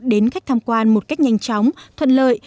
đến khách tham quan một cách nhanh chóng thuận lợi